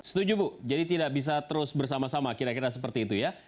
setuju bu jadi tidak bisa terus bersama sama kira kira seperti itu ya